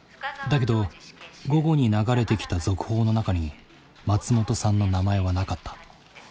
だけど午後に流れてきた続報の中に松本さんの名前はなかった。